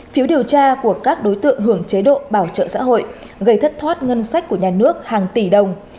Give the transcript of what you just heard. phiếu điều tra của các đối tượng hưởng chế độ bảo trợ xã hội gây thất thoát ngân sách của nhà nước hàng tỷ đồng